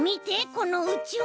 このうちわ！